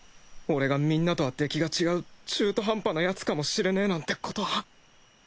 俺がみんなとは出来が違う中途半端なヤツかもしれねえなんてことは